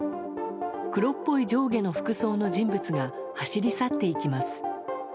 黒っぽい上下の服装の人物が走り去っていきます。